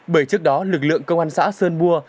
bởi trước đó lực lượng công an xã sơn bua